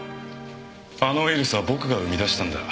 あのウイルスは僕が生み出したんだ。